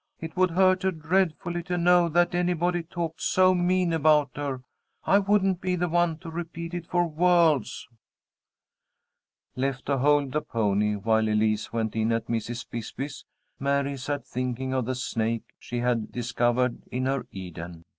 "It would hurt her dreadfully to know that anybody talked so mean about her. I wouldn't be the one to repeat it, for worlds!" Left to hold the pony while Elise went in at Mrs. Bisbee's, Mary sat thinking of the snake she had discovered in her Eden.